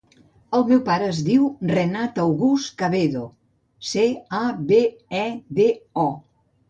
El meu pare es diu Renat August Cabedo: ce, a, be, e, de, o.